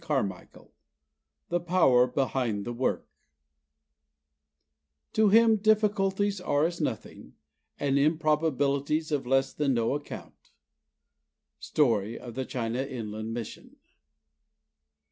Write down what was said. CHAPTER XXXII The Power behind the Work "To Him difficulties are as nothing, and improbabilities of less than no account." _Story of the China Inland Mission.